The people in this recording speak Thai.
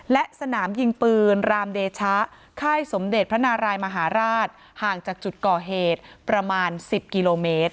และสนามยิงปืนรามเดชะค่ายสมเด็จพระนารายมหาราชห่างจากจุดก่อเหตุประมาณ๑๐กิโลเมตร